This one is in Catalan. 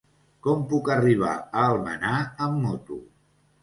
Com puc arribar a Almenar amb moto?